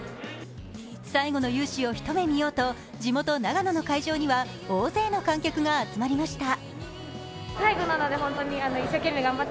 最後の雄姿を一目見ようと地元・長野の会場には大勢の観客が集まりました。